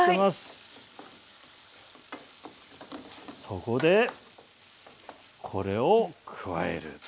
そこでこれを加える。